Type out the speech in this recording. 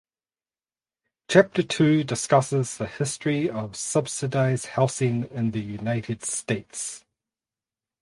Chapter two discusses the history of subsidized housing in the United States.